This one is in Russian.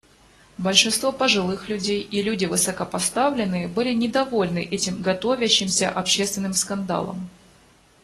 Большинство пожилых людей и люди высокопоставленные были недовольны этим готовящимся общественным скандалом.